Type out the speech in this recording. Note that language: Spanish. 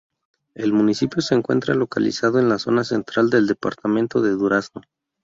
El municipio se encuentra localizado en la zona central del departamento de Durazno.